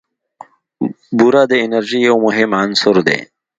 بوره د انرژۍ یو مهم عنصر دی.